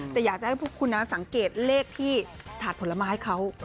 แต่อยากจะให้พวกคุณสังเกตเลขที่ถาดผลไม้เขา